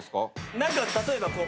何か例えば。